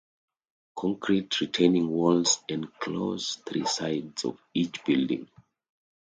Concrete retaining walls enclose three sides of each building.